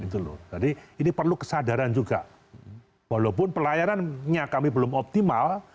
ini perlu kesadaran juga walaupun pelayanannya kami belum optimal